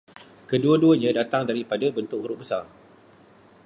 Kedua-duanya datang daripada bentuk huruf besar